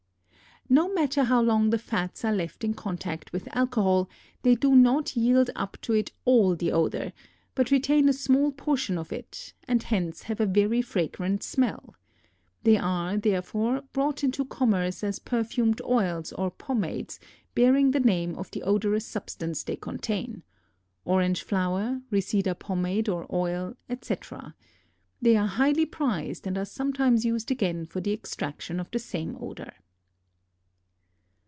No matter how long the fats are left in contact with alcohol, they do not yield up to it all the odor, but retain a small portion of it and hence have a very fragrant smell. They are, therefore, brought into commerce as perfumed oils or pomades bearing the name of the odorous substance they contain: orange flower, reseda pomade or oil, etc.; they are highly prized and are sometimes used again for the extraction of the same odor.